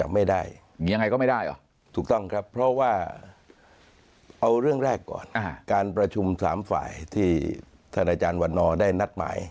ที่ท่านอาจารย์หวัดนอได้นัดหมาย